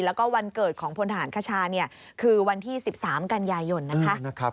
แล้วก็วันเกิดของพลทหารคชาคือวันที่๑๓กันยายนนะคะ